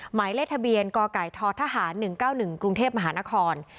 หมายเลขทะเบียนกไก่ททหาร๑๙๑กรุงเทพมหานคร